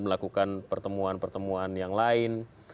melakukan pertemuan pertemuan yang lain